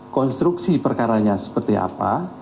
konstruksi perkaranya seperti apa